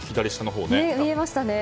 見えましたね。